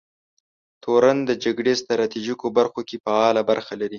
تورن د جګړې ستراتیژیکو برخو کې فعاله برخه لري.